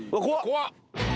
怖っ。